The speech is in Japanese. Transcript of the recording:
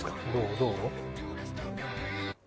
どう？